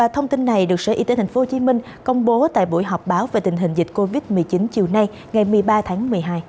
thông tin này được sở y tế tp hcm công bố tại buổi họp báo về tình hình dịch covid một mươi chín chiều nay ngày một mươi ba tháng một mươi hai